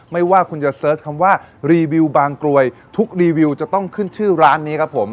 ไม่ว่าคุณจะเสิร์ชคำว่ารีวิวบางกรวยทุกรีวิวจะต้องขึ้นชื่อร้านนี้ครับผม